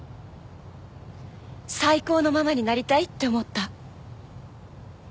最高のママになりたいって思った。